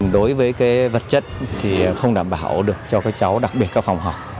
đối với vật chất thì không đảm bảo được cho các cháu đặc biệt các phòng học